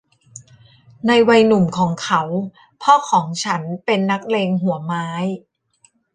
ในวัยหนุ่มของเขาพ่อของฉันเป็นนักเลงหัวไม้